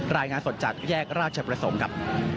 รายงานสดจากแยกราชประสงค์ครับ